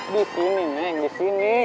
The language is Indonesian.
di sini neng di sini